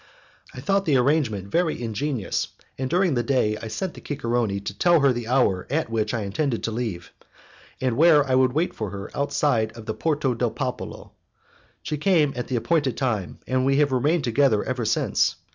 I thought the arrangement very ingenious and during the day I sent the cicerone to tell her the hour at which I intended to leave, and where I would wait for her outside of the Porto del Popolo. She came at the appointed time, and we have remained together ever since.